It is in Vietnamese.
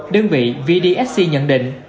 đơn vị vdsc nhận định